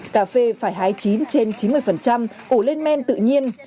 cà phê phải hái chín trên chín mươi ủ lên men tự nhiên